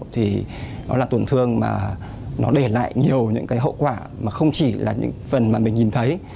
thì nó là tổn thương mà nó để lại nhiều những cái hậu quả mà không chỉ là những phần mà mình nhìn thấy